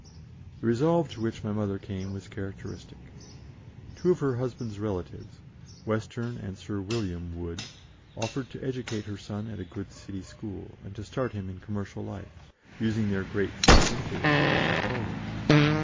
The resolve to which my mother came was characteristic. Two of her husband's relatives, Western and Sir William Wood, offered to educate her son at a good city school, and to start him in commercial life, using their great city influence to push him forward.